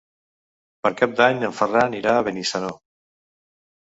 Per Cap d'Any en Ferran irà a Benissanó.